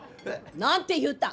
何て言うた？